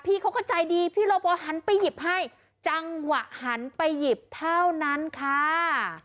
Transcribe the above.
พี่เขาก็ใจดีพี่รอพอหันไปหยิบให้จังหวะหันไปหยิบเท่านั้นค่ะ